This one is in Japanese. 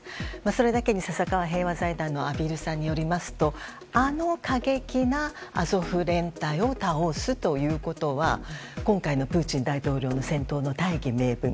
それだけに笹川平和財団の畔蒜さんによりますとあの過激なアゾフ連隊を倒すということは今回のプーチン大統領の戦闘の大義名分。